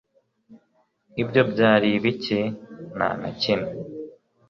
ibyo byari ibiki? nta na kimwe